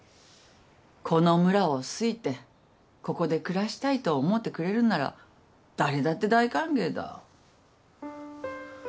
この村を好いてここで暮らしたいと思ってくれるんなら誰だって大歓迎だ